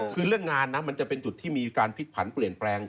คือเรื่องงานจะเป็นจุดที่มีผิดผันเปลี่ยนแปลง